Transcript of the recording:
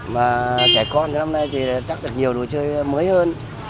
mà trẻ con thì năm nay thì chắc được nhiều đồ chơi mới hơn